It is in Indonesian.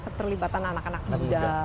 keterlibatan anak anak muda